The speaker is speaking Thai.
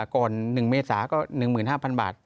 ก่อน๑เมษาก็๑๕๐๐บาท